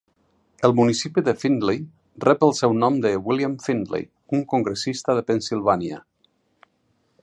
El municipi de Findley rep el seu nom de William Findley, un congressista de Pennsilvània.